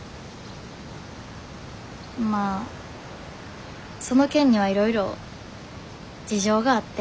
まあその件にはいろいろ事情があって。